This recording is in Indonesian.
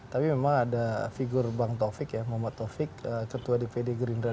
tapi memang ada figur bang taufik ya muhammad taufik ketua dpd gerindra